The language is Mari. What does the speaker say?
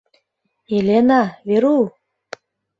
Елена, Веру!